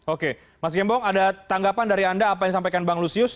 oke mas gembong ada tanggapan dari anda apa yang disampaikan bang lusius